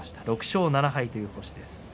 ６勝７敗という星です。